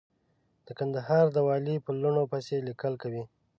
د کندهار د والي په لوڼو پسې ليکل کوي.